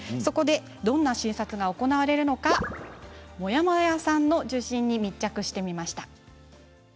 どんな診察が行われるのかモヤモヤさんの受診に密着してみました。